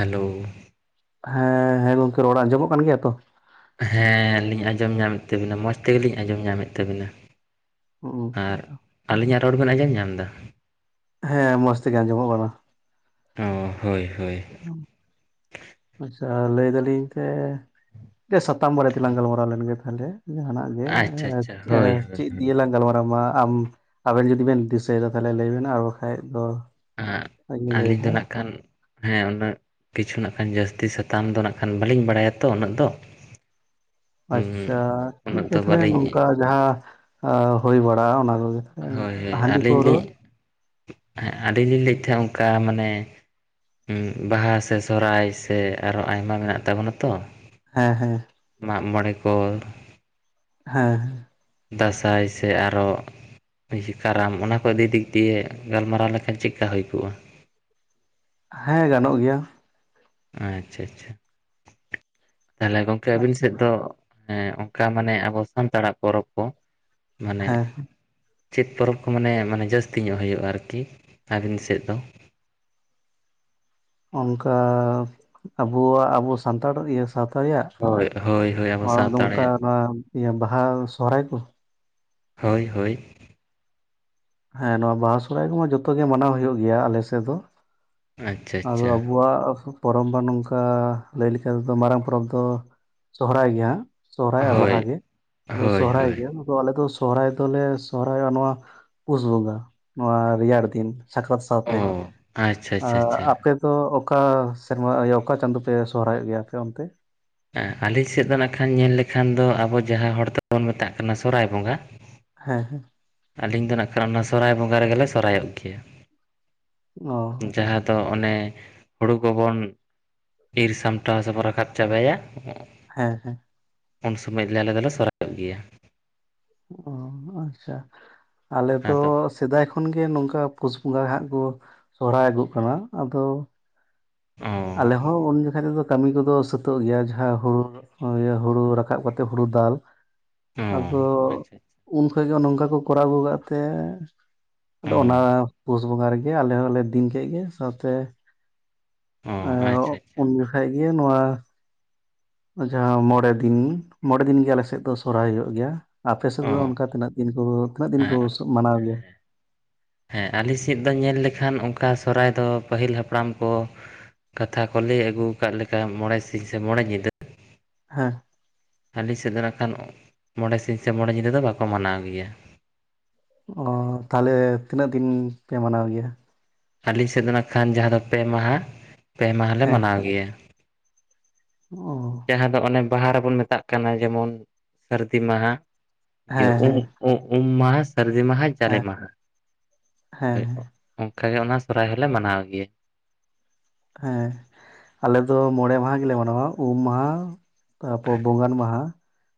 Hello. ᱦᱮᱸ ᱦᱮᱸ ᱜᱚᱝᱠᱮ ᱨᱚᱲ ᱟᱸᱡᱚᱢᱚᱜ ᱠᱟᱱ ᱜᱮᱭᱟ ᱛᱚ ᱾ ᱦᱮᱸ ᱞᱤᱧ ᱟᱸᱡᱚᱢ ᱧᱟᱢᱮᱫ ᱛᱟᱹᱵᱤᱱᱟ ᱾ ᱢᱚᱡᱽ ᱛᱮᱜᱮᱞᱤᱧ ᱟᱸᱡᱚᱢ ᱧᱟᱢᱮᱫ ᱛᱟᱹᱵᱤᱱᱟ ᱾ ᱦᱩᱸ ᱟᱪᱪᱷᱟ [unintelligible] ᱟᱹᱞᱤᱧᱟᱜ ᱨᱳᱚᱲ ᱵᱮᱱ ᱟᱸᱡᱚᱢ ᱧᱟᱢ ᱫᱟ ᱾ ᱦᱮᱸ ᱢᱚᱸᱡᱽ ᱛᱮᱜᱮ ᱟᱸᱡᱚᱢᱚᱜ ᱠᱟᱱᱟ ᱾ ᱚ ᱾ ᱦᱳᱭ ᱦᱳᱭ ᱾ ᱟᱪᱪᱷᱟ ᱞᱟᱹᱭ ᱫᱟᱹᱞᱤᱧ ᱛᱮ ᱡᱮ ᱥᱟᱛᱟᱢ ᱵᱟᱨᱮ ᱛᱮ ᱞᱟᱝ ᱜᱟᱞᱢᱟᱨᱚᱨᱟᱣ ᱞᱮᱱ ᱜᱮ ᱛᱟᱦᱚᱞᱮ ᱾ ᱡᱟᱦᱟᱱᱟᱜ ᱜᱮ ᱟᱪᱪᱷᱟ ᱦᱮᱫ ᱟᱪᱪᱷᱟ ᱮ ᱦᱳᱭ ᱦᱳᱭ ᱪᱮᱫ ᱦᱳᱭ᱾ ᱫᱤᱭᱮ ᱞᱟᱝ ᱜᱟᱞᱢᱟᱨᱟᱣᱼᱟ ᱢᱟ ᱟᱢᱼᱼ ᱟᱵᱮᱱ ᱡᱩᱫᱤ ᱵᱮᱱ ᱫᱤᱥᱟᱹᱭ ᱫᱟ ᱛᱟᱞᱷᱮ ᱞᱟᱹᱭ ᱵᱮᱱ ᱟᱨ ᱵᱟᱠᱷᱟᱡ ᱫᱚᱼᱼ ᱦᱮᱸ ᱟᱹᱞᱤᱧ ᱫᱚ ᱱᱟᱜ ᱠᱷᱟᱱ ᱦᱮᱸ ᱩᱱᱟᱹᱜ ᱠᱤᱪᱷᱩ ᱠᱷᱟᱱ ᱡᱟᱹᱥᱛᱤ ᱥᱟᱛᱟᱢ ᱫᱚ ᱱᱟᱜ ᱠᱷᱟᱱ ᱵᱟᱹᱞᱤᱧ ᱵᱟᱲᱟᱭᱟ ᱛᱚ ᱩᱱᱟᱹᱜ ᱫᱚ ᱾ ᱟᱪᱪᱷᱟ ᱾ ᱴᱷᱤᱠ ᱫᱚ ᱜᱮᱭᱟ ᱛᱟᱦᱚᱞᱮ ᱵᱟᱹᱞᱤᱧ ᱱᱚᱝᱠᱟ ᱡᱟᱦᱟᱸ ᱦᱩᱭ ᱵᱟᱲᱟᱜᱼᱟ ᱚᱱᱟ ᱠᱚᱜᱮ ᱦᱳᱭ ᱦᱳᱭ ᱾ ᱦᱟᱸᱰᱤ ᱟᱹᱞᱤᱧ ᱯᱟᱣᱨᱟᱹ ᱞᱤᱧ ᱦᱮᱸ ᱟᱹᱞᱤᱧ ᱞᱤᱧ ᱞᱟᱹᱭᱮᱫ ᱛᱟᱦᱮᱸᱫ ᱚᱱᱠᱟ ᱢᱟᱱᱮ ᱦᱩᱸ ᱵᱟᱦᱟ ᱥᱮ ᱥᱚᱦᱚᱨᱟᱭ ᱥᱮ ᱟᱨᱚ ᱟᱭᱢᱟ ᱢᱮᱱᱟᱜ ᱛᱟᱵᱚᱱᱟ ᱛᱚ ᱾ ᱦᱮᱸ ᱦᱮᱸ ᱾ ᱢᱟᱜ ᱢᱚᱬᱮ ᱠᱚ ᱦᱮᱸ ᱫᱟᱸᱥᱟᱭ ᱥᱮ ᱟᱨᱚ ᱠᱟᱨᱟᱢ ᱚᱱᱟ ᱠᱚ ᱫᱤᱠ ᱫᱤᱠ ᱫᱤᱭᱮ ᱜᱟᱞᱢᱟᱨᱟᱣ ᱞᱮᱠᱷᱟᱱ ᱪᱮᱫᱼᱠᱟ ᱦᱩᱭ ᱠᱚᱜᱼᱟ ᱾ ᱦᱮᱸ ᱜᱟᱱᱚᱜ ᱜᱮᱭᱟ ᱾ ᱟᱪᱪᱷᱟ ᱟᱪᱪᱷᱟ ᱾ ᱛᱟᱦᱚᱞᱮ ᱜᱚᱝᱠᱮ ᱟᱹᱵᱤᱱ ᱟᱪᱪᱷᱟ ᱥᱮᱫ ᱫᱚ ᱦᱮᱸ ᱚᱱᱠᱟ ᱢᱟᱱᱮ ᱟᱵᱚ ᱥᱟᱱᱛᱟᱲᱟᱜ ᱯᱚᱨᱚᱵᱽ ᱠᱚ ᱢᱟᱱᱮ ᱦᱮᱸ ᱪᱮᱫ ᱯᱚᱨᱚᱵᱽ ᱠᱚ ᱢᱟᱱᱮ ᱢᱟᱱᱮ ᱡᱟᱹᱥᱛᱤ ᱧᱚᱜ ᱦᱩᱭᱩᱜᱼᱟ ᱟᱨᱠᱤ ᱟᱹᱵᱤᱱ ᱥᱮᱫ ᱫᱚ? ᱚᱱᱠᱟ ᱟᱵᱚᱣᱟᱜ ᱟᱵᱚ ᱥᱟᱱᱛᱟᱲ ᱤᱭᱟᱹ ᱥᱛᱟᱲᱟᱜ ᱟᱨ ᱦᱳᱭ ᱦᱳᱭ ᱦᱳᱭ ᱟᱵᱚ ᱥᱟᱶᱛᱟ ᱱᱚᱝᱠᱟ ᱨᱮᱭᱟᱜ ᱱᱚᱣᱟ ᱵᱟᱦᱟ ᱥᱚᱦᱨᱟᱭ ᱠᱚ ᱦᱳᱭ ᱦᱳᱭ ᱾ ᱦᱮᱸ ᱱᱚᱣᱟ ᱵᱟᱦᱟ ᱥᱚᱦᱚᱨᱟᱭ ᱠᱚᱢᱟ ᱡᱚᱛᱚ ᱜᱮ ᱢᱟᱱᱟᱣ ᱦᱩᱭᱩᱜ ᱜᱮᱭᱟ ᱟᱞᱮ ᱥᱮᱫ ᱫᱚ ᱾ ᱟᱪᱪᱷᱟ ᱟᱫᱚ ᱟᱪᱪᱷᱟ ᱟᱵᱚᱣᱟᱜ ᱯᱚᱨᱚᱵ ᱢᱟ ᱱᱚᱝᱠᱟ ᱞᱟᱹᱭ ᱞᱮᱠᱟ ᱛᱮᱫᱚ ᱢᱟᱨᱟᱝ ᱯᱚᱨᱚᱵᱽ ᱫᱚ ᱥᱚᱦᱨᱟᱭ ᱜᱮ ᱦᱟᱸᱜ ᱾ ᱥᱚᱦᱨᱟᱭ ᱟᱨ ᱦᱳᱭ ᱵᱟᱦᱟ ᱜᱮ ᱟᱫᱚ ᱦᱳᱭ ᱥᱚᱦᱨᱟᱭ ᱦᱳᱭ ᱜᱮ ᱟᱞᱮ ᱫᱚ ᱥᱚᱦᱨᱟᱭ ᱫᱚ ᱞᱮ ᱥᱚᱦᱟᱭᱚᱜ ᱱᱚᱣᱟ ᱯᱩᱥ ᱵᱚᱸᱜᱟ ᱱᱚᱣᱟ ᱨᱮᱭᱟᱲ ᱫᱤᱱ ᱥᱟᱠᱨᱟᱛ ᱚ ᱥᱟᱶᱛᱮ ᱟᱪᱪᱷᱟ ᱟᱪᱪᱷᱟ ᱟᱨ ᱟᱪᱪᱷᱟ ᱟᱯᱮ ᱫᱚ ᱚᱠᱟ ᱥᱮᱨᱢᱟ ᱚᱠᱟ ᱪᱟᱸᱫᱳ ᱯᱮ ᱥᱚᱦᱨᱟᱭᱚᱜ ᱜᱮᱭᱟ ᱟᱯᱮ ᱚᱱᱛᱮ? ᱟᱹᱞᱤᱧ ᱥᱮᱫ ᱫᱚ ᱠᱷᱟᱱ ᱧᱮᱞ ᱞᱮᱠᱷᱟᱱ ᱫᱚ ᱟᱵᱚ ᱡᱟᱦᱟᱸ ᱦᱚᱲ ᱫᱚᱵᱚᱱ ᱢᱮᱛᱟᱜ ᱠᱟᱱᱟ ᱥᱚᱦᱨᱟᱭ ᱵᱚᱸᱜᱟ ᱾ ᱦᱮᱸ ᱦᱮᱸ ᱾ ᱟᱞᱤᱧ ᱫᱚ ᱱᱟᱜ ᱠᱷᱟᱱ ᱚᱱᱟ ᱥᱚᱦᱨᱟᱭ ᱵᱚᱸᱜᱟ ᱨᱮ ᱜᱮ ᱞᱮ ᱥᱚᱨᱦᱟᱭᱚᱜ ᱜᱮᱭᱟ ᱾ ᱚ ᱾ ᱡᱟᱦᱟᱸ ᱫᱚ ᱚᱱᱮ ᱦᱩᱲᱩ ᱠᱚᱵᱚᱱ ᱤᱨ ᱥᱟᱢᱴᱟᱣ ᱥᱮ ᱵᱚᱱ ᱨᱟᱠᱟᱵ ᱪᱟᱵᱟᱭᱟ ᱾ ᱦᱮᱸ ᱦᱮᱸ᱾ ᱩᱱ ᱥᱚᱢᱚᱭ ᱫᱚ ᱟᱞᱮ ᱫᱚᱞᱮ ᱥᱚᱨᱦᱟᱭᱚᱜ ᱜᱮᱭᱟ ᱾ ᱚ ᱟᱪᱪᱷᱟ ᱾ ᱟᱞᱮ ᱫᱚ ᱟᱫᱚ ᱥᱮᱫᱟᱭ ᱠᱷᱚᱱ ᱜᱮ ᱱᱚᱝᱠᱟ ᱯᱩᱥ ᱵᱚᱸᱜᱟ ᱦᱟᱸᱜ ᱠᱚ ᱥᱚᱦᱚᱨᱟᱭ ᱟᱹᱜᱩᱜ ᱠᱟᱱᱟ ᱟᱫᱚ ᱚ ᱟᱞᱮ ᱦᱚᱸ ᱩᱱ ᱡᱚᱠᱷᱟ ᱛᱮᱫᱚ ᱠᱟᱹᱢᱤ ᱠᱚᱫᱚ ᱥᱟᱹᱛᱚᱜ ᱜᱮᱭᱟ ᱡᱟᱦᱟᱸ ᱦᱩᱲᱩ ᱦᱩᱲᱩ ᱨᱟᱠᱟᱵ ᱠᱟᱛᱮ ᱦᱩᱲᱩ ᱫᱟᱞ ᱚ ᱟᱫᱚ ᱟᱪᱪᱷᱟ ᱩᱱᱠᱷᱟᱡ ᱜᱮ ᱱᱚᱝᱠᱟ ᱠᱚ ᱠᱚᱨᱟᱣ ᱟᱹᱜᱩ ᱠᱟᱜ ᱛᱮ ᱚ ᱟᱫᱚ ᱚᱱᱟ ᱯᱩᱥ ᱵᱚᱸᱜᱟ ᱨᱮ ᱜᱮ ᱟᱞᱮ ᱦᱚᱸᱞᱮ ᱫᱤᱱ ᱠᱮᱫ ᱜᱮ ᱥᱟᱶᱛᱮ ᱚ ᱟᱪᱪᱷᱟ [inaudible] ᱟᱪᱪᱷᱟ ᱩᱱ ᱡᱚᱠᱷᱮᱡ ᱜᱮ ᱱᱚᱣᱟ ᱡᱟᱦᱟᱸ ᱢᱚᱬᱮ ᱫᱤᱱ ᱢᱚᱬᱮ ᱫᱤᱱ ᱜᱮ ᱟᱞᱮ ᱥᱮᱫ ᱫᱚ ᱥᱚᱨᱦᱟᱭ ᱦᱳᱭᱳᱜ ᱜᱮᱭᱟ ᱟᱯᱮ ᱥᱮᱫ ᱫᱚ ᱚ ᱚᱱᱠᱟ ᱛᱤᱱᱟᱹᱜ ᱫᱤᱱ ᱠᱚ ᱛᱤᱱᱟᱹᱜ ᱫᱤᱱ ᱠᱚ ᱦᱮᱸ ᱢᱟᱱᱟᱣ ᱜᱮᱭᱟ ᱦᱮᱸ ᱟᱞᱮ ᱥᱮᱫ ᱫᱚ ᱧᱮᱞ ᱞᱮᱠᱷᱟᱱ ᱚᱱᱠᱟ ᱥᱚᱨᱦᱟᱭ ᱫᱚ ᱯᱟᱹᱦᱤᱞ ᱦᱟᱯᱲᱟᱢ ᱠᱚ ᱠᱟᱛᱷᱟ ᱠᱚ ᱞᱟᱹᱭ ᱟᱹᱜᱩ ᱟᱠᱟᱫ ᱞᱮᱠᱟ ᱢᱚᱬᱮ ᱥᱤᱧ ᱥᱮ ᱢᱚᱬᱮ ᱧᱤᱫᱟᱹ ᱦᱮᱸ ᱦᱟᱹᱞᱤ ᱥᱮᱫ ᱫᱚ ᱱᱟᱜ ᱠᱷᱟᱱ ᱢᱚᱬᱮ ᱥᱤᱧ ᱥᱮ ᱢᱚᱬᱮ ᱧᱤᱫᱟᱹ ᱫᱚ ᱵᱟᱠᱚ ᱢᱟᱱᱟᱣ ᱜᱮᱭᱟ ᱚ ᱛᱟᱦᱚᱞᱮ ᱛᱤᱱᱟᱹᱜ ᱫᱤᱱ ᱯᱮ ᱢᱟᱱᱟᱣ ᱜᱮᱭᱟ ᱟᱹᱞᱤᱧ ᱥᱮᱫ ᱫᱚ ᱠᱷᱟᱱ ᱡᱟᱦᱟᱸ ᱫᱚ ᱯᱮ ᱢᱟᱦᱟ ᱯᱮ ᱢᱟᱦᱟ ᱞᱮ ᱢᱟᱱᱟᱣ ᱜᱮᱭᱟ ᱚᱸ ᱡᱟᱦᱟᱸ ᱫᱚ ᱚᱱᱮ ᱵᱟᱦᱟ ᱨᱮᱵᱚᱱ ᱢᱮᱛᱟᱜ ᱠᱟᱱᱟ ᱡᱮᱢᱚᱱ ᱥᱟᱹᱨᱫᱤ ᱢᱟᱦᱟ ᱤᱭᱟᱹ ᱦᱮᱸ ᱩᱢ ᱦᱮᱸ ᱩᱢ ᱢᱟᱦᱟ ᱥᱟᱹᱨᱫᱤ ᱢᱟᱦᱟ ᱡᱟᱞᱮ ᱦᱮᱸ ᱢᱟᱦᱟ ᱦᱳᱭ ᱦᱮᱸ ᱚᱱᱠᱟ ᱜᱮ ᱚᱱᱟ ᱥᱚᱨᱦᱟᱭ ᱦᱚᱸᱞᱮ ᱢᱟᱱᱟᱣ ᱜᱮᱭᱟ ᱦᱮᱸ ᱟᱞᱮ ᱫᱚ ᱢᱚᱬᱮ ᱢᱟᱦᱟ ᱜᱮ ᱞᱮ ᱢᱟᱱᱟᱣᱟ ᱩᱢ ᱢᱟᱦᱟ ᱛᱟᱨᱯᱚᱨ ᱵᱚᱸᱜᱟᱱ ᱢᱟᱦᱟ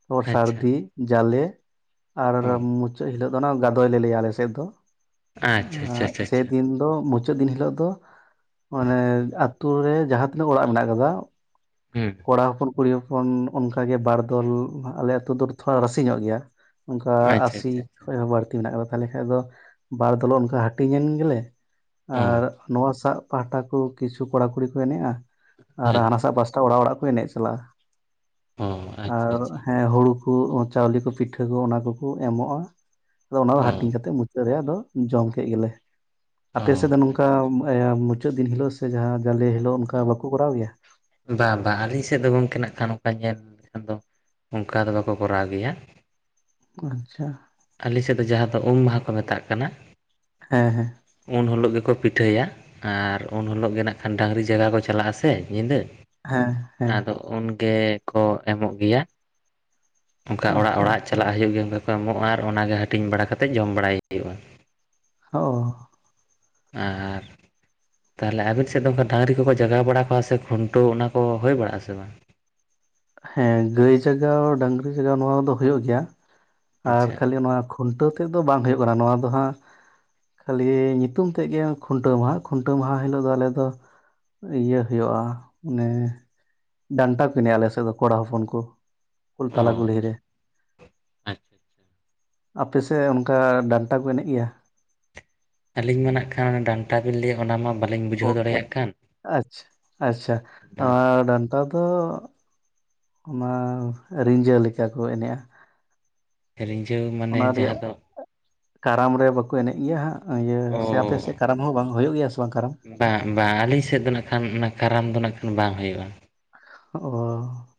ᱛᱟᱨᱯᱚᱨ ᱟᱪᱪᱷᱟ ᱥᱟᱹᱨᱫᱤ ᱡᱟᱞᱮ ᱟᱨ ᱚ ᱢᱩᱪᱟᱹᱫ ᱦᱤᱞᱳ ᱫᱚ ᱚᱱᱟ ᱜᱟᱫᱚᱭ ᱞᱮ ᱞᱟᱹᱭᱟ ᱟᱞ ᱥᱮᱫ ᱫᱚ ᱟᱪᱪᱷᱟ ᱟᱪᱪᱷᱟ ᱟᱪᱪᱷᱟ ᱟᱪᱪᱷᱟ ᱥᱮᱫᱤᱱ ᱛᱚ ᱢᱩᱪᱟᱹᱫ ᱫᱤᱱ ᱦᱤᱞᱳᱜ ᱫᱚ ᱢᱟᱱᱮ ᱟᱛᱳ ᱨᱮ ᱡᱟᱦᱟᱸ ᱛᱤᱱᱟᱹᱜ ᱚᱲᱟᱜ ᱢᱮᱱᱟᱜ ᱟᱠᱟᱫᱟ ᱦᱮᱸ ᱠᱚᱲᱟ ᱦᱚᱯᱚᱱ ᱠᱩᱲᱤ ᱦᱚᱯᱚᱱ ᱚᱱᱠᱟ ᱜᱮ ᱵᱟᱨ ᱫᱚᱞ ᱟᱞᱮ ᱟᱹᱛᱩ ᱫᱚ ᱛᱷᱚᱲᱟ ᱨᱟᱥᱮ ᱧᱚᱜ ᱜᱮᱭᱟ ᱚᱱᱠᱟ ᱟᱪᱪᱷᱟ ᱟᱥᱤ ᱟᱪᱪᱷᱟ ᱟᱪᱪᱷᱟ ᱠᱷᱚᱡ ᱦᱚᱸ ᱵᱟᱹᱲᱛᱤ ᱢᱮᱱᱟᱜ ᱟᱠᱟᱫᱟ ᱛᱟᱦᱞᱮ ᱠᱷᱟᱱ ᱫᱚ ᱵᱟᱨ ᱫᱚᱞ ᱚᱱᱠᱟ ᱦᱟᱹᱴᱤᱧ ᱮᱱ ᱜᱮᱞᱮ ᱟᱨ ᱚ ᱱᱚᱣᱟ ᱥᱟᱜ ᱯᱟᱦᱴᱟ ᱠᱚ ᱠᱤᱪᱷᱩ ᱠᱚᱲᱟ ᱠᱩᱲᱤ ᱠᱚ ᱮᱱᱮᱡᱼᱟ ᱟᱨ ᱦᱮᱸ ᱦᱟᱱᱟ ᱥᱟᱜ ᱵᱟᱥ ᱚᱲᱟᱜ ᱚᱲᱟᱜ ᱠᱚ ᱮᱱᱮᱡ ᱪᱟᱞᱟᱜᱼᱟ ᱚ ᱟᱪᱪᱷᱟ ᱟᱨ ᱟᱪᱪᱷᱟ ᱦᱮᱸ ᱦᱩᱲᱩ ᱠᱩ ᱪᱟᱣᱞᱮ ᱠᱚ ᱯᱤᱴᱷᱟᱹ ᱠᱚ ᱚᱱᱟ ᱠᱚ-ᱠᱚ ᱮᱢᱚᱜᱼᱟ ᱟᱫᱚ ᱚᱱᱟ ᱠᱚ ᱚ ᱦᱟᱹᱴᱤᱧ ᱠᱟᱛᱮ ᱢᱩᱪᱟᱹᱫ ᱨᱮᱭᱟᱜ ᱫᱚ ᱡᱚᱢ ᱠᱮᱜ ᱜᱮᱞᱮ ᱚ ᱟᱯᱮ ᱥᱮᱫ ᱫᱚ ᱱᱚᱝᱠᱟ ᱟᱪᱪᱷᱟ ᱚᱱᱠᱟ ᱢᱩᱪᱟᱹᱫ ᱫᱤᱱ ᱦᱤᱞᱳᱜ ᱥᱮ ᱡᱟᱦᱟᱸ ᱡᱟᱞᱮ ᱦᱤᱞᱳᱜ ᱚᱱᱠᱟ ᱵᱟᱠᱚ ᱠᱚᱨᱟᱣ ᱜᱮᱭᱟ ᱵᱟ ᱵᱟᱝ ᱟᱹᱞᱤᱧ ᱥᱮᱫ ᱫᱚ ᱜᱚᱝᱠᱮ ᱱᱟᱜ ᱠᱷᱟᱱ ᱱᱚᱝᱠᱟ ᱧᱮᱞ ᱞᱮᱠᱷᱟᱱ ᱫᱚ ᱚᱱᱠᱟ ᱫᱚ ᱵᱟᱠᱚ ᱠᱚᱨᱟᱣ ᱜᱮᱭᱟ ᱟᱪᱪᱷᱟ ᱟᱞᱤ ᱥᱮᱫ ᱫᱚ ᱡᱟᱦᱟᱸ ᱫᱚ ᱩᱢ ᱢᱟᱦᱟ ᱠᱚ ᱢᱮᱛᱟᱜ ᱠᱟᱱᱟ ᱦᱮᱸ ᱦᱮᱸ ᱩᱱ ᱦᱤᱞᱳᱜ ᱜᱮᱠᱚ ᱯᱤᱴᱷᱟᱹ ᱭᱟ ᱟᱨ ᱩᱱ ᱦᱤᱞᱳᱜ ᱜᱮ ᱱᱟᱜ ᱠᱷᱟᱱ ᱰᱟᱹᱝᱨᱤ ᱡᱟᱜᱟᱣ ᱠᱚ ᱪᱟᱞᱟᱜᱼᱟ ᱥᱮ ᱧᱤᱫᱟᱹ ᱦᱮᱸ ᱦᱮᱸ ᱟᱫᱚ ᱩᱱ ᱜᱮᱠᱚ ᱮᱢᱚᱜ ᱜᱮᱭᱟ ᱚᱱᱠᱟ ᱚᱲᱟᱜ ᱟᱪᱪᱷᱟ ᱚᱲᱟᱜ ᱪᱟᱞᱟᱜ ᱦᱳᱭᱳᱜ ᱜᱮᱭᱟ ᱚᱱᱠᱟ ᱠᱚ ᱮᱢᱚᱜᱼᱟ ᱚᱱᱟᱜᱮ ᱦᱟᱹᱴᱤᱧ ᱵᱟᱲᱟ ᱠᱟᱛᱮᱫ ᱡᱚᱢ ᱵᱟᱲᱟᱭ ᱦᱩᱭᱩᱜᱼᱟ ᱚᱸ ᱟᱨ ᱛᱟᱦᱚᱞᱮ ᱟᱵᱮᱱ ᱥᱮᱫ ᱫᱚ ᱚᱱᱠᱟ ᱰᱟᱹᱝᱨᱤ ᱠᱚ-ᱠᱚ ᱡᱟᱜᱟᱣ ᱵᱟᱲᱟ ᱠᱚᱣᱟ ᱥᱮ ᱠᱷᱩᱱᱴᱟᱹ ᱚᱱᱟ ᱠᱚ ᱦᱩᱭ ᱵᱟᱲᱟᱜ ᱟᱥᱮ ᱵᱟᱝ ᱦᱮᱸ ᱜᱟᱹᱭ ᱡᱟᱜᱟᱣ ᱰᱟᱝᱨᱤ ᱡᱟᱜᱟᱣ ᱱᱚᱣᱟ ᱫᱚ ᱦᱩᱭᱩᱜ ᱜᱮᱭᱟ ᱟᱨ ᱟᱪᱪᱷᱟ ᱠᱷᱟᱞᱤ ᱱᱚᱣᱟ ᱠᱷᱩᱱᱴᱟᱹᱣ ᱛᱮᱫ ᱫᱚ ᱵᱟᱝ ᱦᱩᱭᱩᱜ ᱠᱟᱱᱟ ᱱᱚᱣᱟ ᱫᱚ ᱦᱟᱸᱜ ᱠᱷᱟᱹᱞᱤ ᱧᱩᱛᱩᱢ ᱛᱮᱫ ᱜᱮ ᱠᱷᱩᱱᱴᱟᱹ ᱢᱟᱦᱟ ᱠᱷᱩᱱᱴᱟᱹ ᱢᱟᱦᱟ ᱦᱤᱞᱳᱜ ᱫᱚ ᱟᱞᱮ ᱫᱚ ᱤᱭᱟᱹ ᱦᱳᱭᱳᱜᱼᱟ ᱚᱱᱮ ᱰᱟᱱᱴᱟ [inaudible] ᱟᱞᱮ ᱠᱚᱲᱟ ᱦᱚᱯᱚᱱ ᱠᱚ ᱚ ᱛᱟᱞᱟ ᱠᱳᱞᱦᱤ ᱨᱮ ᱟᱪᱪᱷᱟ ᱟᱪᱪᱷᱟ᱾ ᱟᱯᱮᱥᱮᱫ ᱚᱱᱠᱟ ᱰᱟᱱᱴᱟ ᱠᱚ ᱮᱱᱮᱡ ᱜᱮᱭᱟ ᱟᱹᱞᱤᱧ ᱢᱟ ᱱᱟᱜ ᱠᱷᱟᱱ ᱰᱟᱱᱴᱟ ᱰᱟᱱᱴᱟ ᱵᱤᱱ ᱞᱟᱹ ᱚᱱᱟ ᱢᱟ ᱵᱟᱹᱞᱤᱧ ᱚ ᱵᱩᱡᱷᱟᱹᱣ ᱫᱟᱲᱮᱭᱟᱜ ᱠᱟᱱ ᱟᱪᱪᱷᱟ ᱚᱱᱟ ᱫᱚ ᱚᱱᱟ ᱨᱤᱡᱟᱹ ᱞᱮᱠᱟ ᱠᱚ ᱮᱱᱮᱡᱼᱟ ᱨᱤᱡᱷᱟᱹᱣ ᱢᱟᱱᱮ ᱚᱱᱟ ᱨᱮᱭᱟᱜ ᱡᱟᱦᱟᱸ ᱫᱚ ᱠᱟᱨᱟᱢ ᱨᱮ ᱵᱟᱠᱚ ᱮᱱᱮᱡ ᱜᱮᱭᱟ ᱦᱟᱸᱜ ᱤᱭᱟᱹ ᱚ ᱥᱮ ᱟᱯᱮ ᱥᱮᱫ ᱠᱟᱨᱟᱢ ᱦᱚᱸ ᱵᱟᱝ ᱦᱩᱭᱩᱜ ᱜᱮᱭᱟ ᱥᱮ ᱵᱟᱝ ᱠᱟᱨᱟᱢ ᱵᱟᱝ ᱵᱟᱝ ᱟᱹᱞᱤᱧ ᱥᱮᱫ ᱫᱚ ᱱᱟᱜ ᱠᱷᱟᱱ ᱚᱱᱟ ᱠᱟᱨᱟᱢ ᱫᱚ ᱱᱟᱜ ᱠᱷᱟᱱ ᱵᱟᱝ ᱦᱩᱭᱩᱜᱼᱟ ᱚ [unintelligible]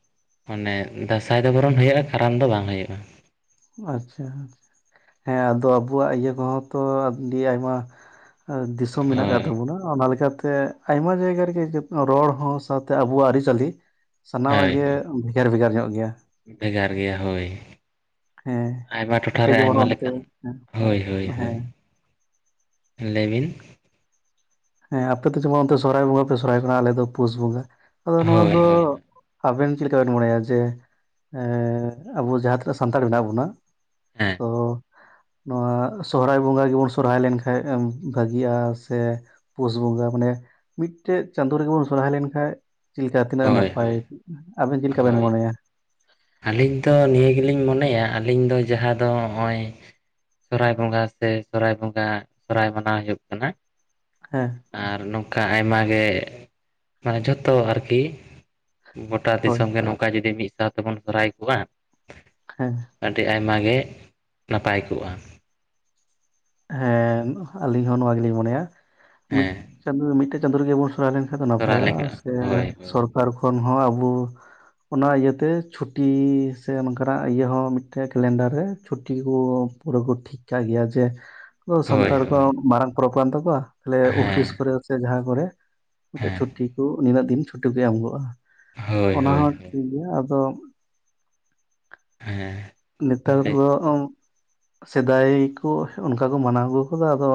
ᱚᱱᱮ ᱫᱟᱥᱟᱭ ᱫᱚ ᱵᱚᱨᱚᱱ ᱦᱩᱭᱩᱜᱼᱟ ᱠᱟᱨᱟᱢ ᱫᱚ ᱵᱟᱝ ᱦᱩᱭᱩᱜᱼᱟ ᱟᱪᱪᱷᱟ ᱦᱮᱸ ᱟᱫᱚ ᱟᱵᱩᱣᱟᱜ ᱤᱭᱟᱹ ᱠᱚᱦᱚᱸ ᱛᱚ ᱟᱹᱰᱤ ᱟᱭᱢᱟ ᱟᱨ ᱫᱤᱥᱚᱢ ᱢᱮᱱᱟᱜ ᱟᱠᱟᱫ ᱦᱳᱭ ᱛᱟᱵᱚᱱᱟ ᱚᱱᱟ ᱞᱮᱠᱟᱛᱮ ᱟᱭᱢᱟ ᱡᱟᱭᱜᱟ ᱨᱮᱜᱮ ᱡᱟᱵ ᱨᱚᱲ ᱦᱚᱸ ᱥᱟᱶᱛᱮ ᱟᱵᱚᱣᱟᱜ ᱟᱹᱨᱤᱪᱟᱹᱞᱤ ᱥᱟᱱᱟᱢᱟᱜ ᱦᱳᱭ ᱜᱮ ᱦᱳᱭ, ᱵᱷᱮᱜᱟᱨ ᱵᱷᱮᱜᱟᱨ ᱧᱚᱜ ᱜᱮᱭᱟ ᱵᱷᱮᱜᱟᱨ ᱜᱮᱭᱟ ᱦᱳᱭ ᱦᱮᱸ ᱟᱭᱢᱟ ᱴᱚᱴᱷᱟ. ᱟᱯᱮ ᱨᱮ ᱡᱮᱢᱚᱱ ᱟᱭᱢᱟ ᱚᱱᱛᱮ ᱞᱮᱠᱟᱱ ᱦᱳᱭ ᱦᱳᱭ ᱦᱳᱭ ᱦᱮᱸ ᱞᱟ. ᱭ ᱵᱤᱱ ᱦᱮᱸ ᱟᱯᱮ ᱫᱚ ᱡᱮᱢᱚᱱ ᱚᱱᱛᱮ ᱥᱚᱨᱦᱟᱭ ᱵᱚᱸᱜᱟ ᱯᱮ ᱥᱚᱨᱦᱟᱭ ᱚᱜ ᱠᱟᱱᱟ ᱟᱞᱮ ᱫᱚ ᱯᱩᱥ ᱵᱚᱸᱜᱟ ᱟᱫᱚ ᱱᱚᱣᱟ ᱦᱳᱭ ᱫᱚ ᱦᱳᱭ ᱟᱵᱮᱱ ᱪᱮᱫ ᱞᱮᱠᱟᱵᱮᱱ ᱢᱚᱱᱮᱭᱟ ᱡᱮ ᱮᱻ ᱟᱵᱚ ᱡᱟᱦᱟᱸ ᱛᱤᱱᱟᱹᱜ ᱥᱟᱱᱛᱟᱲ ᱢᱮᱱᱟᱜ ᱵᱚᱱᱟ ᱦᱮᱸ ᱚ ᱱᱚᱣᱟ ᱥᱚᱦᱨᱟᱭ ᱵᱚᱸᱜᱟ ᱜᱮ ᱵᱚᱱ ᱥᱚᱨᱦᱟᱭ ᱞᱮᱱᱠᱷᱟᱱ ᱵᱷᱟᱜᱤᱜᱼᱟ ᱥᱮ ᱯᱩᱥ ᱵᱚᱸᱜᱟ ᱢᱟᱱᱮ ᱢᱤᱫᱴᱮᱡ ᱪᱟᱸᱫᱳ ᱨᱮᱜᱮ ᱵᱚᱱ ᱥᱚᱨᱦᱟᱭ ᱞᱮᱱᱠᱷᱟᱡ ᱪᱮᱫ ᱞᱮᱠᱟ ᱛᱤᱱᱟᱹᱜ ᱦᱳᱭ ᱱᱟᱯᱟᱭ ᱦᱳᱭ ᱟᱵᱮᱱ ᱪᱮᱫ ᱞᱮᱠᱟ ᱵᱮᱱ ᱦᱳᱭ ᱢᱚᱱᱮ ᱮᱫᱟ ᱟᱹᱞᱤᱧ ᱛᱚ ᱱᱤᱭᱟᱹ ᱜᱮᱞᱤᱧ ᱢᱚᱱᱮᱭᱟ ᱟᱹᱞᱤᱧ ᱫᱚ ᱡᱟᱦᱟᱸ ᱫᱚ ᱱᱚᱜᱼᱚᱭ ᱥᱚᱨᱦᱟᱭ ᱵᱚᱸᱜᱟ ᱥᱮ ᱥᱚᱨᱦᱟᱭ ᱵᱚᱸᱜᱟ ᱥᱚᱨᱦᱟᱭ ᱢᱟᱱᱟᱣ ᱦᱩᱭᱩᱜ ᱠᱟᱱᱟ ᱦᱮᱸ ᱟᱨ ᱱᱚᱝᱠᱟ ᱟᱭᱢᱟ ᱜᱮ ᱢᱟᱱᱮ ᱡᱚᱛᱚ ᱟᱨᱠᱤ ᱜᱳᱴᱟ ᱦᱳᱭ ᱫᱤᱥᱚᱢ ᱜᱮ ᱱᱚᱝᱠᱟ ᱡᱩᱫᱤ ᱢᱤᱫ ᱥᱟᱶ ᱛᱮᱵᱚᱱ ᱥᱚᱨᱦᱟᱭ ᱠᱚᱜᱼᱟ ᱦᱮᱸ ᱟᱹᱰᱤ ᱟᱭᱢᱟ ᱜᱮ ᱱᱟᱯᱟᱭ ᱠᱚᱜᱼᱟ ᱦᱮ ᱟᱞᱤᱧ ᱦᱚᱸ ᱱᱚᱣᱟ ᱜᱮᱞᱤᱧ ᱢᱚᱱᱮᱭᱟ ᱢᱤᱫ ᱦᱮᱸ ᱪᱟᱸᱫᱳ ᱢᱤᱫᱴᱮᱡ ᱪᱟᱸᱫᱳ ᱨᱮᱜᱮᱵᱚᱱ ᱥᱚᱨᱦᱟᱭ ᱞᱮᱱ ᱥᱚᱨᱦᱟᱭ ᱱᱟᱯᱟᱭᱚᱜᱼᱟ ᱞᱮᱠᱟ ᱥᱮ ᱦᱳᱭ ᱥᱚᱨᱠᱟᱨ ᱠᱷᱚᱱ ᱦᱚᱸ ᱟᱵᱚ ᱚᱱᱟ ᱤᱭᱟᱹᱛᱮ ᱪᱷᱩᱴᱤ ᱥᱮ ᱱᱚᱝᱠᱟᱱᱟᱜ ᱤᱭᱟᱹ ᱦᱚᱸ ᱢᱤᱫᱴᱮᱡ ᱠᱮᱞᱮᱱᱰᱟᱨ ᱨᱮ ᱪᱷᱩᱴᱤ ᱠᱚ ᱯᱩᱨᱟᱹ ᱠᱚ ᱴᱷᱤᱠ ᱠᱟᱜ ᱜᱮᱭᱟ ᱡᱮ ᱟᱫᱚ ᱦᱳᱭ ᱥᱟᱱᱛᱟᱲ ᱦᱳᱭ ᱠᱚᱣᱟᱜ ᱢᱟᱨᱟᱝ ᱯᱚᱨᱚᱵ ᱠᱟᱱ ᱛᱟᱠᱚᱣᱟ ᱛᱟᱦᱞᱮ ᱦᱮᱸ ᱚᱯᱷᱤᱥ ᱠᱚᱨᱮ ᱥᱮ ᱡᱟᱦᱟᱸ ᱠᱚᱨᱮ ᱢᱤᱫᱴᱮᱡ ᱦᱮᱸ ᱪᱷᱩᱴᱤ ᱠᱚ ᱱᱤᱱᱟᱹᱜ ᱫᱤᱱ ᱪᱷᱩᱴᱤ ᱠᱚ ᱮᱢ ᱜᱚᱜᱼᱟ ᱦᱳᱭ ᱚᱱᱟ ᱦᱳᱭ ᱦᱚᱸ ᱴᱷᱤᱠ ᱜᱮᱭᱟ ᱟᱫᱚ ᱦᱮᱸ ᱱᱮᱛᱟᱨ ᱫᱚ ᱟᱢ ᱥᱮᱫᱟᱭ ᱠᱚ ᱚᱱᱠᱟ ᱠᱚ ᱢᱟᱱᱟᱣ ᱟᱹᱜᱩ ᱟᱠᱟᱫᱟ ᱟᱫᱚ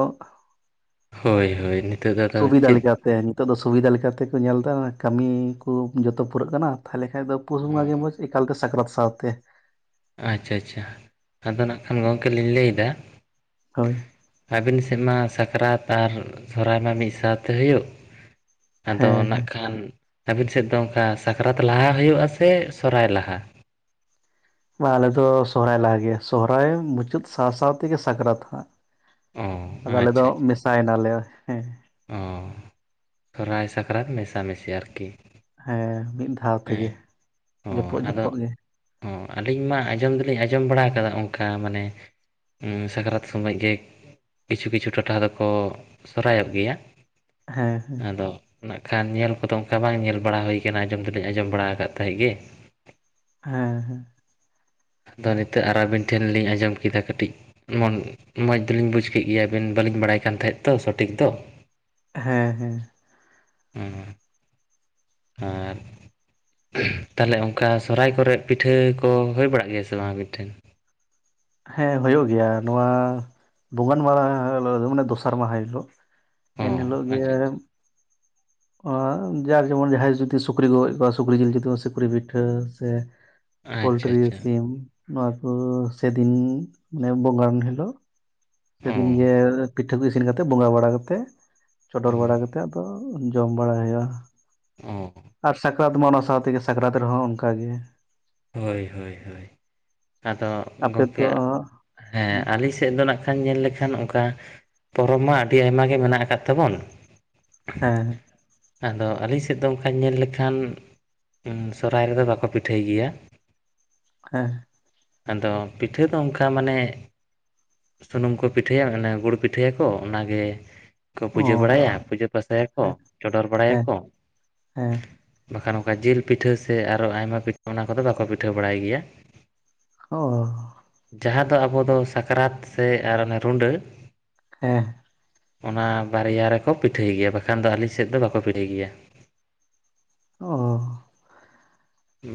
ᱦᱳᱭ ᱦᱳᱭ ᱱᱤᱛᱚᱜ ᱫᱚ ᱟᱫᱚ ᱪᱮᱫ ᱛᱮ ᱱᱤᱛᱚᱜ ᱫᱚ ᱥᱩᱵᱤᱫᱟ ᱞᱮᱠᱟ ᱛᱮᱠᱚ ᱧᱮᱞ ᱮᱫᱟ ᱠᱟᱹᱢᱤ ᱠᱚ ᱡᱚᱛᱚ ᱯᱩᱨᱟᱹᱜ ᱠᱟᱱᱟ ᱛᱟᱦᱚᱞᱮ ᱦᱮ ᱟᱫᱚ ᱯᱩᱥ ᱵᱚᱸᱜᱟ ᱜᱮ ᱢᱚᱸᱡᱽ ᱮᱠᱟᱞᱛᱮ ᱥᱟᱠᱨᱟᱛ ᱥᱟᱶᱛᱮ ᱟᱪᱪᱷᱟ ᱟᱪᱪᱷᱟ ᱟᱫᱚ ᱱᱟᱜ ᱠᱷᱟᱱ ᱜᱚᱝᱠᱮ ᱞᱤᱧ ᱞᱟᱹᱭ ᱫᱟ ᱦᱳᱭ ᱟᱹᱵᱤᱱ ᱥᱮᱱ ᱢᱟ ᱥᱟᱠᱨᱟᱛ ᱟᱨ ᱥᱚᱨᱦᱟᱭ ᱢᱟ ᱢᱤᱫ ᱥᱟᱶᱛᱮ ᱦᱩᱭᱩᱜ ᱟᱫᱚ ᱦᱮᱸ ᱱᱟᱜ ᱦᱮᱸ ᱠᱷᱟᱱ ᱟᱹᱵᱤᱱ ᱥᱮᱫ ᱫᱚ ᱚᱱᱠᱟ ᱥᱟᱠᱨᱟᱛ ᱞᱟᱦᱟ ᱦᱩᱭᱩᱜᱼᱟ ᱥᱮ ᱥᱚᱨᱦᱟᱭ ᱞᱟᱦᱟ? ᱵᱟ ᱟᱞᱮ ᱫᱚ ᱥᱚᱨᱦᱟᱭ ᱞᱟᱦᱟ ᱜᱮᱭᱟ ᱥᱚᱨᱦᱟᱭ ᱢᱩᱪᱟᱹᱫ ᱥᱟᱶ ᱥᱟᱶ ᱛᱮᱜᱮ ᱥᱟᱠᱨᱟᱛ ᱦᱟᱸᱜ ᱚ ᱟᱫᱚ ᱟᱞᱮ ᱫᱚ ᱟᱪᱪᱷᱟ ᱟᱪᱪᱷᱟ ᱢᱮᱥᱟᱭ ᱱᱟᱞᱮ ᱦᱮᱸ ᱚ ᱥᱚᱨᱦᱟᱭ ᱥᱟᱠᱨᱟᱛ ᱢᱮᱥᱟᱢᱮᱥᱤ ᱟᱨᱠᱤ ᱦᱮᱸ ᱢᱤᱫ ᱫᱷᱟᱣ ᱛᱮᱜᱮ ᱦᱮᱸ ᱚ ᱡᱚᱯᱚᱜ ᱟᱫᱚ ᱡᱚᱯᱚᱜ ᱜᱮ ᱚ ᱟᱹᱞᱤᱧ ᱢᱟ ᱟᱸᱡᱚᱢ ᱫᱚᱞᱤᱧ ᱟᱸᱡᱚᱢ ᱵᱟᱲᱟ ᱠᱟᱫᱟ ᱚᱱᱠᱟ ᱢᱟᱱᱮ ᱥᱟᱠᱨᱟᱛ ᱥᱚᱢᱚᱭ ᱜᱮ ᱠᱤᱪᱷᱩᱼ ᱠᱤᱪᱷᱩ ᱴᱚᱴᱷᱟ ᱫᱚᱠᱚ ᱥᱚᱨᱦᱟᱭ ᱚᱜ ᱜᱮᱭᱟ ᱦᱮᱸ ᱦᱮᱸ ᱟᱫᱚ ᱱᱟᱜ ᱠᱷᱟᱱ ᱧᱮᱞ ᱠᱚᱫᱚ ᱚᱱᱠᱟ ᱵᱟᱝ ᱧᱮᱞ ᱵᱟᱲᱟ ᱦᱩᱭ ᱠᱟᱱᱟ ᱟᱸᱡᱚᱢ ᱫᱚ ᱟᱸᱡᱚᱢ ᱵᱟᱲᱟ ᱟᱠᱟᱫ ᱛᱟᱦᱮᱜ ᱜᱮ ᱦᱮᱸ ᱦᱮᱸ ᱟᱫᱚ ᱱᱤᱛᱚᱜ ᱟᱨ ᱟᱹᱵᱤᱱ ᱴᱷᱮᱱ ᱞᱤᱧ ᱟᱸᱡᱚᱢ ᱠᱮᱫᱟ ᱠᱟᱹᱴᱤᱡ ᱢᱚᱱ ᱢᱚᱡᱽ ᱫᱚᱞᱤᱧ ᱵᱩᱡᱽ ᱠᱮᱫ ᱜᱮᱭᱟ ᱟᱹᱵᱤᱱ ᱵᱟᱹᱞᱤᱧ ᱵᱟᱲᱟᱭ ᱠᱟᱱ ᱛᱟᱦᱮᱸᱫ ᱛᱚ ᱥᱚᱴᱷᱤᱠ ᱫᱚ ᱾ ᱦᱮᱸ ᱦᱮᱸ ᱾ ᱟᱨ ᱾ ᱛᱟᱦᱚᱞᱮ ᱚᱱᱠᱟ ᱥᱚᱨᱦᱟᱭ ᱠᱚᱨᱮ ᱯᱤᱴᱷᱟᱹ ᱠᱚ ᱦᱩᱭ ᱵᱟᱲᱟᱜ ᱜᱮᱭᱟ ᱥᱮ ᱵᱟᱝ ᱟᱹᱵᱤᱱ ᱴᱷᱮᱱ? ᱦᱮᱸ ᱦᱩᱭᱩᱜ ᱜᱮᱭᱟ, ᱱᱚᱣᱟ ᱵᱚᱸᱜᱟ ᱟᱱ ᱢᱟᱦᱟ ᱢᱟᱱᱮ ᱫᱚᱥᱟᱨ ᱢᱟᱦᱟ ᱦᱤᱞᱳᱜ ᱾ ᱮᱱ ᱚ ᱦᱤᱞᱳᱜ ᱟᱪᱪᱷᱟ ᱜᱮᱢ ᱾ [inaudible] ᱡᱟᱨ ᱡᱮᱢᱚᱱ ᱡᱟᱦᱟᱸᱭ ᱡᱩᱫᱤ ᱥᱩᱠᱨᱤ ᱜᱚᱡᱽ ᱠᱚᱣᱟ ᱥᱩᱠᱨᱤ ᱡᱤᱞ ᱡᱩᱫᱤ ᱥᱩᱠᱨᱤ ᱯᱤᱴᱷᱟᱹ ᱥᱮ [inaudible] ᱯᱳᱚᱞᱴᱨᱤ ᱟᱪᱪᱷᱟ ᱥᱤᱢ ᱱᱚᱣᱟ ᱠᱩ ᱥᱮᱫᱤᱱ ᱵᱚᱸᱜᱟᱱ ᱦᱤᱞᱳᱜ ᱥᱮᱫᱤᱱ ᱚ ᱜᱮ ᱯᱤᱴᱷᱟᱹ ᱠᱚ ᱤᱥᱤᱱ ᱠᱟᱛᱮᱫ ᱵᱚᱸᱜᱟ ᱵᱟᱲᱟ ᱠᱟᱛᱮᱫ ᱚ ᱪᱚᱰᱚᱨ ᱵᱟᱲᱟ ᱠᱟᱛᱮᱫ ᱟᱫᱚ ᱡᱚᱢ ᱵᱟᱲᱟᱭᱼᱟ ᱚ ᱟᱨ ᱥᱟᱠᱨᱟᱛ ᱢᱟ ᱚᱱᱟ ᱥᱟᱶ ᱛᱮᱜᱮ ᱥᱟᱠᱨᱟᱛ ᱨᱮᱦᱚᱸ ᱚᱱᱠᱟ ᱜᱮ ᱾ ᱦᱳᱭ ᱦᱳᱭ ᱦᱳᱭ ᱟᱫᱚ ᱟᱯᱮ ᱜᱚᱢᱠᱮ ᱫᱚ ᱦᱮᱸ ᱟᱹᱞᱤᱧ ᱥᱮᱫ ᱫᱚ ᱦᱚᱸ ᱱᱟᱜ ᱧᱮᱞ ᱞᱮᱠᱷᱟᱱ ᱚᱱᱠᱟ ᱯᱚᱨᱚᱵᱽ ᱢᱟ ᱟᱹᱰᱤ ᱟᱭᱢᱟ ᱜᱮ ᱢᱮᱱᱟᱜ ᱟᱠᱟᱫ ᱛᱟᱵᱚᱱ ᱾ ᱦᱮᱸ ᱾ ᱟᱫᱚ ᱟᱹᱞᱤᱧ ᱥᱮᱫ ᱫᱚ ᱚᱱᱠᱟ ᱧᱮᱞ ᱞᱮᱠᱷᱟᱱ ᱥᱚᱦᱚᱨᱟᱭ ᱨᱮᱫᱚ ᱵᱟᱠᱚ ᱯᱤᱴᱷᱟᱹᱭ ᱜᱮᱭᱟ ᱾ ᱦᱮᱸ ᱾ ᱟᱫᱚ ᱯᱤᱴᱷᱟᱹ ᱚᱝᱠᱟ ᱢᱟᱱᱮ ᱥᱩᱱᱩᱢ ᱠᱚ ᱯᱤᱴᱷᱟᱹᱭᱟ ᱟᱱᱮ ᱜᱩᱲ ᱯᱤᱴᱷᱟᱹᱭ ᱟᱠᱚ ᱚᱱᱟᱜᱮ ᱠᱚ ᱚ ᱯᱩᱡᱟᱹ ᱵᱟᱲᱟᱭᱟ ᱯᱩᱡᱟᱹ ᱯᱟᱥᱟᱭ ᱟᱠᱚ ᱦᱮᱸ ᱪᱚᱰᱚᱨ ᱵᱟᱲᱟᱭ ᱦᱮᱸ ᱟᱠᱚ ᱦᱮᱸ ᱾ ᱵᱟᱠᱷᱟᱱ ᱚᱱᱠᱟ ᱡᱮᱞ ᱯᱤᱴᱷᱟᱹ ᱥᱮ ᱟᱨᱚ ᱟᱭᱢᱟ ᱯᱤᱴᱷᱟᱹ ᱚᱱᱟ ᱠᱚᱫᱚ ᱵᱟᱠᱚ ᱯᱤᱴᱷᱟᱹ ᱵᱟᱲᱟᱭ ᱜᱮᱭᱟ ᱾ ᱦᱚ ᱾ ᱡᱟᱦᱟᱸ ᱫᱚ ᱟᱵᱚ ᱫᱚ ᱥᱟᱠᱨᱟᱛ ᱥᱮ ᱟᱨ ᱚᱱᱮ ᱨᱩᱰᱟᱹ ᱾ ᱦᱮᱸ ᱾ ᱚᱱᱟ ᱵᱟᱨᱭᱟ ᱨᱮᱠᱚ ᱯᱤᱴᱷᱟᱹᱭ ᱜᱮᱭᱟ ᱵᱟᱠᱷᱟᱱ ᱫᱚ ᱟᱹᱞᱤᱧ ᱥᱮᱫ ᱫᱚ ᱵᱟᱠᱚ ᱯᱤᱴᱷᱟᱹᱭ ᱜᱮᱭᱟ ᱾ ᱚ ᱾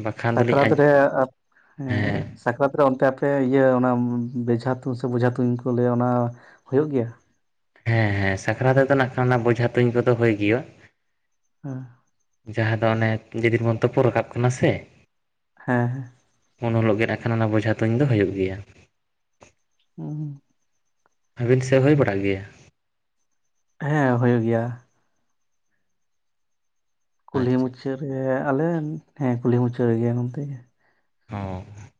ᱵᱟᱠᱷᱟᱱ ᱫᱚᱞᱤᱧ ᱥᱟᱠᱨᱟᱛ ᱟᱸᱡ ᱨᱮ ᱟᱯᱮ ᱦᱮᱸ ᱾ ᱥᱟᱠᱨᱟᱛ ᱨᱮ ᱚᱱᱛᱮ ᱟᱯᱮ ᱤᱭᱟᱹ ᱚᱱᱟ ᱵᱮᱡᱷᱟ ᱛᱩᱧ ᱥᱮ ᱵᱮᱚᱡᱷᱟ ᱛᱩᱧ ᱠᱚ ᱞᱟᱹᱭᱟ ᱚᱱᱟ ᱦᱳᱭᱳᱜ ᱜᱮᱭᱟ? ᱦᱮᱸ ᱦᱮᱸ ᱥᱟᱠᱨᱟᱛ ᱨᱮᱫᱚ ᱱᱟᱜ ᱠᱷᱟᱱ ᱵᱚᱡᱷᱟ ᱛᱩᱧ ᱠᱚᱫᱚ ᱦᱳᱭ ᱜᱮᱭᱚᱜ ᱾ ᱦᱮᱸ ᱾ ᱡᱟᱦᱟᱸ ᱫᱚ ᱚᱱᱮ ᱡᱮᱫᱤᱱ ᱵᱚ ᱛᱳᱯᱳ ᱨᱟᱠᱟᱵ ᱠᱟᱱᱟ ᱥᱮ ᱾ ᱦᱮᱸ ᱦᱮᱸ ᱾ ᱩᱱ ᱦᱤᱞᱳᱜ ᱜᱮ ᱱᱟᱜ ᱠᱷᱟᱱ ᱚᱱᱟ ᱵᱚᱡᱷᱟ ᱛᱩᱧ ᱫᱚ ᱦᱳᱭᱳᱜ ᱜᱮᱭᱟ ᱾ ᱦᱩᱸ ᱾ ᱟᱹᱵᱤᱱ ᱥᱮᱫ ᱦᱳᱭ ᱵᱟᱲᱟᱜ ᱜᱮᱭᱟ? ᱦᱮᱸ ᱦᱳᱭᱳᱜ ᱜᱮᱭᱟ ᱾ ᱠᱩᱞᱦᱤ ᱟᱪᱪᱷᱟ ᱟᱪᱪᱷᱟ ᱢᱩᱪᱟᱹᱫᱽ ᱨᱮ ᱟᱞᱮ ᱦᱮᱸ ᱠᱩᱞᱦᱤ ᱢᱩᱪᱟᱹᱫᱽ ᱨᱮᱜᱮ ᱱᱚᱱ ᱛᱮᱜᱮ ᱾ ᱦᱩᱸ ᱾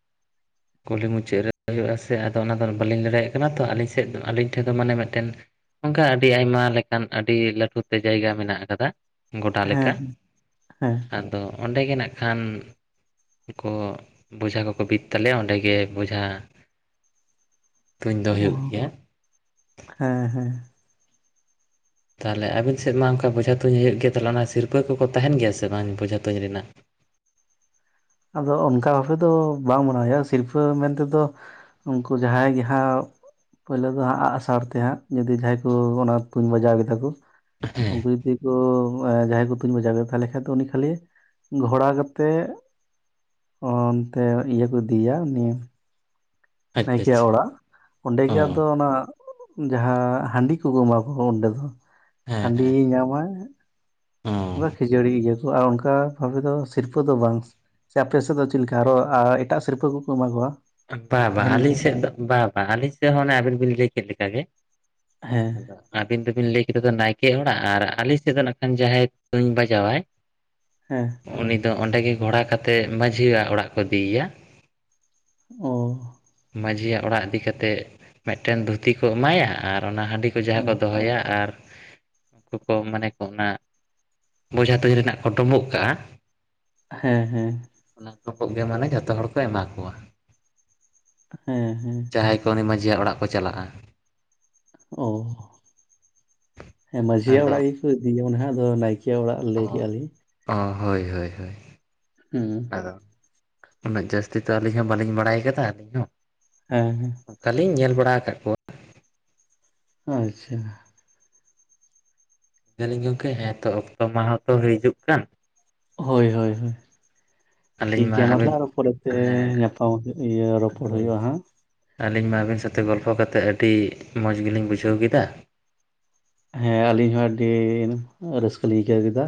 ᱠᱩᱞᱦᱤ ᱢᱩᱪᱟᱹᱫᱽ ᱨᱮ ᱦᱳᱭᱳᱜ ᱟᱥᱮ ᱟᱫᱚ ᱚᱱᱟᱫᱚ ᱟ. ᱞᱤᱧ ᱫᱚ ᱵᱟᱹᱞᱤᱧ ᱞᱟᱹᱭ ᱫᱟᱲᱮᱭᱟᱜ ᱠᱟᱱᱟ ᱛᱚ ᱟᱹᱞᱤᱧ ᱥᱮᱫ ᱟᱹᱞᱤᱧ ᱴᱷᱮᱱ ᱫᱚ ᱢᱟᱱᱮ ᱢᱤᱫᱴᱮᱱ ᱚᱱᱠᱟ ᱟᱹᱰᱤ ᱟᱭᱢᱟ ᱞᱮᱠᱟᱱ ᱟᱹᱰᱤ ᱞᱟᱹᱴᱩ ᱛᱮ ᱡᱟᱭᱜᱟ ᱢᱮᱱᱟᱜ ᱟᱠᱟᱫᱟ ᱾ ᱜᱚᱰᱟ ᱦᱮᱸ ᱞᱮᱠᱟ ᱟᱨ ᱦᱮᱸ ᱾ ᱟᱫᱚ ᱚᱸᱰᱮ ᱜᱮ ᱱᱟᱜ ᱠᱷᱟᱱ ᱩᱱ ᱠᱚ ᱵᱚᱡᱷᱟ ᱠᱚᱠᱚ ᱵᱤᱫ ᱛᱟᱞᱮᱭᱟ ᱚᱸᱰᱮ ᱾ ᱚᱸᱰᱮᱜᱮ ᱵᱚᱡᱷᱟ ᱾ ᱚ ᱜᱮᱭᱟ ᱦᱮᱸ ᱦᱮᱸ ᱾ ᱛᱟᱦᱚᱞᱮ ᱟᱹᱵᱤᱱ ᱥᱮᱫ ᱢᱟ ᱚᱱᱠᱟ ᱵᱚᱡᱷᱟ ᱛᱩᱧ ᱦᱳᱭᱳᱜ ᱜᱮᱭᱟ ᱛᱟᱦᱚᱞᱮ ᱚᱱᱟ ᱥᱤᱨᱯᱟᱹ ᱠᱚᱠᱚ ᱛᱟᱦᱮᱱ ᱜᱮᱭᱟ ᱥᱮ ᱵᱟᱝ ᱵᱚᱡᱷᱟ ᱛᱩᱧ ᱨᱮᱱᱟᱜ ᱾ ᱟᱫᱚ ᱚᱱᱠᱟ ᱵᱷᱟᱵᱮ ᱫᱚ ᱵᱟᱝ ᱢᱟᱱᱟᱣ ᱦᱳᱭᱳᱜᱼᱟ ᱥᱤᱨᱯᱟᱹ ᱢᱮᱱ ᱛᱮᱫᱚ ᱩᱱᱠᱩ ᱡᱟᱦᱟᱸᱭ ᱜᱮ ᱦᱟᱸ ᱾ ᱯᱳᱭᱞᱳ ᱫᱚ ᱦᱟᱸᱜ ᱟᱜᱼᱥᱟᱨ ᱛᱮ ᱦᱟᱸᱜ ᱡᱩᱫᱤ ᱡᱟᱦᱟᱸᱭ ᱠᱚ ᱚᱱᱟ ᱛᱩᱧ ᱵᱟᱡᱟᱣ ᱜᱚᱫᱟ ᱠᱚ ᱾ ᱦᱮᱸ ᱩᱱᱠᱩ ᱡᱩᱫᱤ ᱠᱚ ᱡᱟᱦᱟᱸᱭ ᱠᱚ ᱛᱩᱧ ᱵᱟᱡᱟᱣᱟ ᱛᱟᱦᱚᱞᱮ ᱠᱷᱟᱱ ᱫᱚ ᱩᱱᱤ ᱠᱷᱟᱹᱞᱤ ᱜᱷᱚᱲᱟ ᱠᱟᱛᱮᱜ ᱾ ᱚᱱᱛᱮ ᱤᱭᱟᱹ ᱠᱚ ᱤᱫᱤᱭᱮᱭᱟ ᱩᱱᱤ ᱟᱪᱪᱷᱟ ᱱᱟᱭᱠᱮ ᱟᱪᱪᱷᱟ ᱚᱲᱟᱜ ᱚᱸᱰᱮ ᱚ ᱜᱮ ᱟᱫᱚ ᱚᱱᱟᱼᱼ ᱡᱟᱦᱟᱸ ᱦᱟᱺᱰᱤ ᱠᱚᱠᱚ ᱮᱢᱟ ᱠᱚ ᱚᱸᱰᱮ ᱫᱚ ᱦᱮᱸ ᱦᱟᱺᱰᱤ ᱦᱮᱸ ᱧᱟᱢᱟᱭ, ᱚ ᱚᱱᱠᱟ ᱠᱷᱟᱹᱡᱟᱹᱲᱤ ᱤᱭᱟᱹ ᱠᱚ ᱟᱨ ᱚᱱᱠᱟ ᱵᱷᱟᱵᱮ ᱫᱚ ᱥᱤᱨᱯᱟᱹ ᱫᱚ ᱵᱟᱝᱼᱼ ᱥᱮ ᱟᱯᱮ ᱥᱮᱫ ᱫᱚ ᱪᱮᱫ ᱞᱮᱠᱟ ᱟᱨᱚ ᱮᱴᱟᱜ ᱥᱤᱨᱯᱟᱹ ᱠᱚᱠᱚ ᱮᱢᱟ ᱠᱚᱣᱟ? ᱵᱟ ᱵᱟᱝ ᱛᱟᱦᱮᱱ ᱟᱹᱞᱤᱧ ᱜᱮᱭᱟ ᱥᱮᱫ ᱫᱚ ᱵᱟ ᱵᱟᱝ ᱟᱹᱞᱤᱧ ᱥᱮᱫ ᱦᱚᱸ ᱚᱱᱮ ᱟᱵᱮᱱ ᱵᱤᱱ ᱞᱟᱹᱭᱭᱟ ᱪᱮᱫ ᱞᱮᱠᱟ ᱜᱮᱼᱼ ᱦᱮᱸ ᱟᱹᱵᱤᱱ ᱫᱚᱵᱤᱱ ᱞᱟᱹᱭ ᱠᱮᱫᱟ ᱫᱚ ᱱᱟᱭᱠᱮ ᱦᱚᱲᱟᱜ ᱟᱨ ᱟᱞᱮ ᱥᱮᱫ ᱫᱚ ᱱᱟᱜ ᱠᱷᱟᱱ ᱡᱟᱦᱟᱸᱭ ᱛᱩᱧ ᱵᱟᱡᱟᱣᱟᱭ᱾ ᱦᱮᱸ ᱩᱱᱤ ᱫᱚ ᱚᱸᱰᱮ ᱜᱮ ᱜᱷᱳᱚᱲᱟ ᱠᱟᱛᱮᱮᱫ ᱢᱟᱺᱡᱷᱤ ᱭᱟᱜ ᱚᱲᱟᱜ ᱠᱚ ᱤᱫᱤᱭᱮᱭᱟ᱾ ᱚᱻ ᱢᱟᱡᱷᱤ ᱭᱟᱜ ᱚᱲᱟᱜ ᱤᱫᱤ ᱠᱟᱛᱮᱜ ᱢᱤᱫᱴᱟᱱ ᱫᱷᱩᱛᱤ ᱠᱚ ᱮᱢᱟᱭᱟ ᱟᱨ ᱚᱱᱟ ᱠᱷ ᱦᱰᱤ ᱠᱚᱼᱼ ᱠᱩ ᱡᱟᱦᱟᱸᱟ ᱦᱮᱸ ᱠᱚ ᱫᱚᱦᱚᱭᱟ ᱟᱨ ᱩᱱᱠᱩ ᱠᱚ ᱢᱟᱱᱮ ᱠᱚ ᱚᱱᱟ ᱵᱚᱡᱷᱟ ᱛᱚᱡᱷᱟ ᱨᱮᱱᱟᱜ ᱠᱚ ᱰᱩᱸᱵᱳᱩᱜ ᱠᱟᱜᱼᱟ᱾ ᱦᱮᱸ ᱦᱮᱸ ᱚᱱᱟ ᱠᱚ ᱜᱮ ᱢᱟᱱᱮ ᱡᱷᱚᱛᱚ ᱦᱚᱲ ᱠᱚ ᱮᱢᱟ ᱠᱚᱣᱟ᱾ ᱦᱮᱸ ᱦᱮᱸ ᱡᱟᱦᱟᱸᱭ ᱠᱚ ᱩᱱᱤ ᱢᱟᱺᱡᱷᱤᱭᱟᱜ ᱚᱲᱟᱜ ᱠᱚ ᱪᱟᱞᱟᱜᱼᱟ᱾ ᱚ ᱦᱮᱸ ᱢᱟᱺᱡᱷᱤᱭᱟᱜ ᱟᱫᱚ ᱚᱲᱟᱜ ᱜᱮᱠᱚ ᱤᱫᱤ ᱚᱱᱟᱦᱟᱜ ᱟᱫᱚ ᱱᱟᱭ ᱯᱮ ᱦᱚᱲᱟᱜ ᱞᱟᱹᱭ ᱠᱮᱫᱼᱟᱤᱧ᱾ ᱚᱸ ᱦᱳᱭ ᱦᱳᱭ ᱦᱳᱭ᱾ ᱦᱮᱸ᱾ ᱟᱫᱚ ᱩᱱᱟᱹᱜ ᱡᱟᱹᱥᱛᱤ ᱛᱚ ᱟᱹᱞᱤᱧ ᱦᱚᱸ ᱵᱟᱹᱞᱤᱧ ᱵᱟᱲᱟᱭ ᱟᱠᱟᱫᱟ, ᱟᱹᱞᱤᱧ ᱦᱚᱸ᱾ ᱦᱮᱸ ᱦᱮᱸ᱾ ᱠᱷᱟᱞᱤᱧ ᱧᱮᱞ ᱵᱟᱲᱟ ᱟᱠᱟᱫ ᱠᱚᱣᱟ᱾ ᱚ ᱟᱪᱪᱷᱟ᱾ ᱞᱤᱭ ᱫᱟᱞᱤᱧ ᱜᱚᱢᱠᱮ ᱦᱮᱸ ᱛᱚ ᱚᱠᱛᱚ ᱢᱟᱦ ᱛᱚ ᱦᱚᱭ ᱦᱤᱡᱩᱜ ᱠᱟᱱ᱾ ᱦᱳᱭ ᱦᱳᱭ ᱦᱳᱭ᱾ ᱟᱹᱞᱤᱧ ᱴᱷᱤᱠᱜᱮᱭᱟ ᱢᱟ ᱛᱟᱦᱞᱮ ᱟᱹᱵᱤᱱ ᱟᱨᱦᱚ ᱯᱚᱨᱮᱛᱮ ᱦᱮᱸ ᱧᱟᱯᱟᱢ ᱤᱭᱟᱹ ᱨᱚᱯᱚᱲ ᱦᱩᱭᱩᱜᱼᱟ, ᱦᱮᱸ᱾ ᱟᱹᱞᱤᱧ ᱢᱟ ᱟᱹᱵᱤᱱ ᱥᱟᱶᱛᱮ ᱜᱚᱞᱯᱷᱚ ᱠᱟᱛᱮᱫ, ᱟᱹᱰᱤ ᱢᱚᱸᱡᱽ ᱜᱮᱞᱤᱧ ᱵᱩᱡᱷᱟᱹᱣ ᱠᱮᱫᱟ᱾ ᱦᱮᱸ, ᱟᱹᱞᱤᱧ ᱦᱚᱸ ᱟᱹᱰᱤ ᱨᱟᱹᱥᱠᱟᱹ ᱞᱤᱧ ᱟᱹᱭᱠᱟᱹᱣ ᱠᱮᱫᱟ᱾